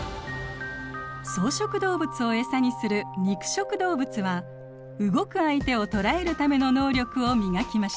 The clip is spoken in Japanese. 草食動物をエサにする肉食動物は動く相手を捕らえるための能力を磨きました。